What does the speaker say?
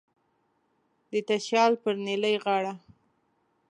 د تشیال پر نیلی غاړه